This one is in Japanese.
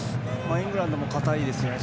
イングランドも堅いですよね。